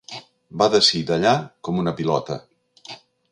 Va d'ací d'allà com una pilota.